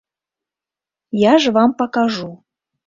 Я ж вам пакажу.